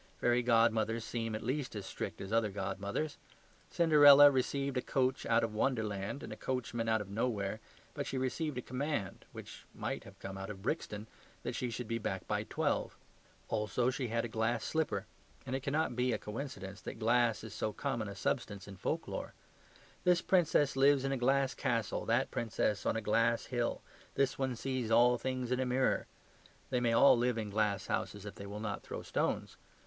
Fairy godmothers seem at least as strict as other godmothers. Cinderella received a coach out of Wonderland and a coachman out of nowhere, but she received a command which might have come out of Brixton that she should be back by twelve. Also, she had a glass slipper; and it cannot be a coincidence that glass is so common a substance in folk lore. This princess lives in a glass castle, that princess on a glass hill; this one sees all things in a mirror; they may all live in glass houses if they will not throw stones.